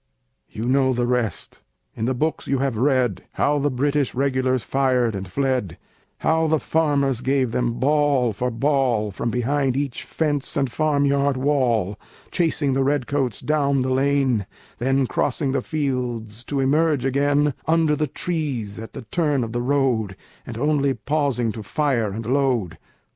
You know the rest. In the books you have read How the British regulars fired and fled, How the farmers gave them ball for ball, From behind each fence and farmyard wall, Chasing the redcoats down the lane, Then crossing the fields to emerge again Under the trees at the turn of the road, And only pausing to fire and load.